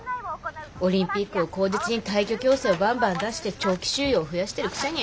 オリンピックを口実に退去強制をバンバン出して長期収容を増やしてるくせに。